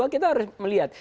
kita harus melihat